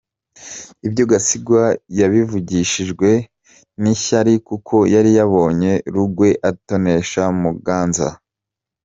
Ibyo Gasigwa yabivugishijwe n’ishyari kuko yari yabonye Rugwe atonesha Muganza .